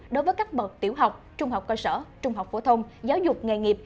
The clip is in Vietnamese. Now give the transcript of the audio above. đối với các bậc tiểu học trung học cơ sở trung học phổ thông giáo dục nghề nghiệp